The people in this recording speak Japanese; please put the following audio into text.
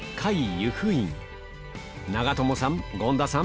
由布院長友さん権田さん